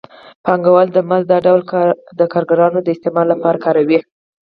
پانګوال د مزد دا ډول د کارګرانو د استثمار لپاره کاروي